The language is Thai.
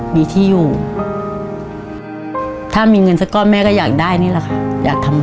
ให้ช่วงขณะวิทยุครับ